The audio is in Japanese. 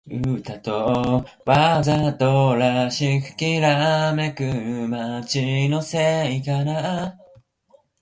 マハーラーシュトラ州の州都はムンバイである